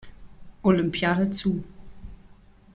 Olympiade zu.